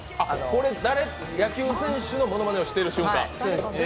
野球選手のものまねをしてる瞬間？